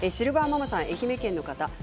愛媛県の方です。